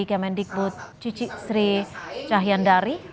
yaman dikbud cicik sri cahyandari